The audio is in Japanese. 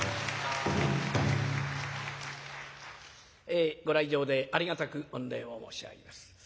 えご来場でありがたく御礼を申し上げます。